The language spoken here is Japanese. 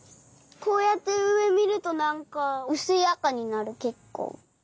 こうやってうえみるとなんかうすいあかになるけっこう。